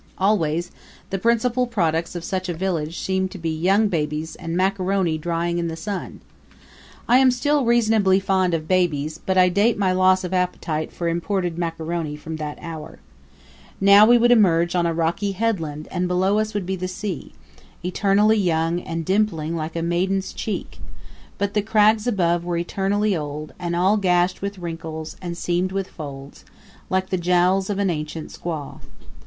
Always the principal products of such a village seemed to be young babies and macaroni drying in the sun. I am still reasonably fond of babies, but I date my loss of appetite for imported macaroni from that hour. Now we would emerge on a rocky headland and below us would be the sea, eternally young and dimpling like a maiden's cheek; but the crags above were eternally old and all gashed with wrinkles and seamed with folds, like the jowls of an ancient squaw.